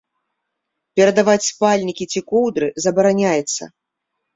Перадаваць спальнікі ці коўдры забараняецца.